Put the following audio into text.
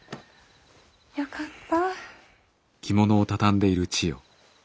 よかった。